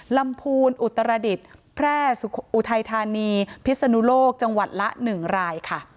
ลำพูนอุตรดิษฐ์แพร่อุทัยธานีพิศนุโลกจังหวัดละ๑รายค่ะ